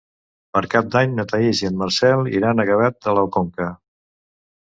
Per Cap d'Any na Thaís i en Marcel iran a Gavet de la Conca.